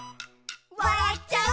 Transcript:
「わらっちゃう」